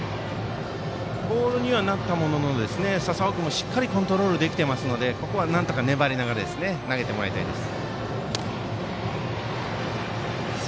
ボールにはなったものの笹尾君もしっかりコントロールできているのでここはなんとか粘りながら投げてもらいたいです。